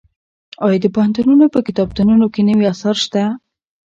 ایا د پوهنتونونو په کتابتونونو کې نوي اثار شته؟